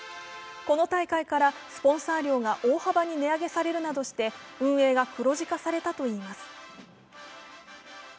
この大会からスポンサー料が大幅に値上げされるなどして運営が黒字化されたといいます。